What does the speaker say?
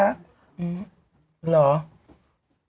อืม